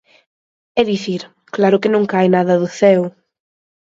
É dicir, claro que non cae nada do ceo.